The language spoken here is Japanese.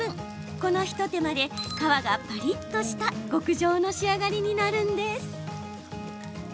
この一手間で皮がパリッとした極上の仕上がりになるんです。